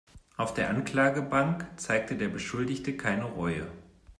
Auf der Anklagebank zeigte der Beschuldigte keine Reue.